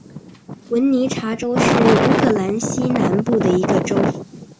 文尼察州是乌克兰西南部的一个州。